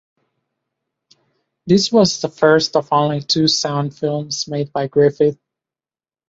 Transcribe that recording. This was the first of only two sound films made by Griffith.